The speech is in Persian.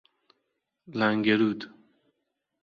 لنگرود